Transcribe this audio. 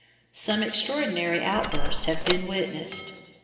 Some extraordinary outbursts have been witnessed.